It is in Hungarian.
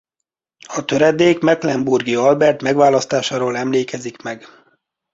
A töredék Mecklenburgi Albert megválasztásáról emlékezik meg.